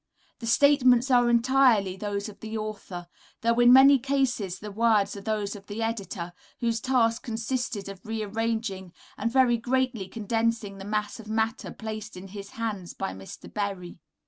The statements are entirely those of the author, though in many cases the words are those of the editor, whose task consisted of re arranging and very greatly condensing the mass of matter placed in his hands by Mr. Berry.